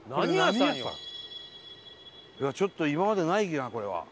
ちょっと今までないなこれは。